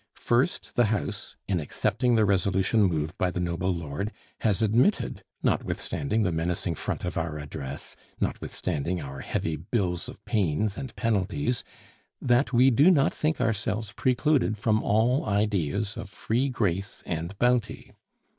First, the House, in accepting the resolution moved by the noble lord, has admitted notwithstanding the menacing front of our address, notwithstanding our heavy bills of pains and penalties that we do not think ourselves precluded from all ideas of free grace and bounty.